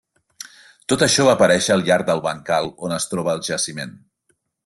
Tot això va aparèixer al llarg del bancal on es troba el jaciment.